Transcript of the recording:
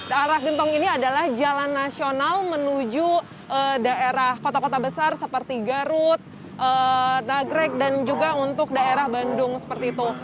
arah gentong ini adalah jalan nasional menuju daerah kota kota besar seperti garut nagrek dan juga untuk daerah bandung seperti itu